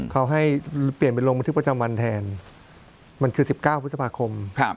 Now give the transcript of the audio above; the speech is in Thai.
เขาให้เปลี่ยนไปลงบันทึกประจำวันแทนมันคือ๑๙พฤษภาคม